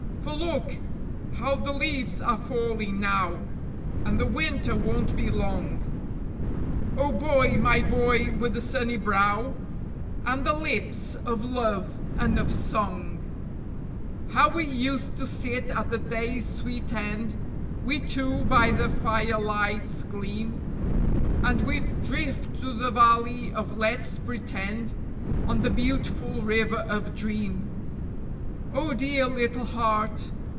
For look! How the leaves are falling now, and the winter won't be long. ... Oh boy, my boy with the sunny brow, and the lips of love and of song! How we used to sit at the day's sweet end, we two by the firelight's gleam, And we'd drift to the Valley of Let's Pretend, on the beautiful river of Dream. Oh dear little heart!